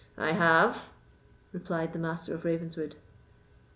"I have," replied the Master of Ravenswood.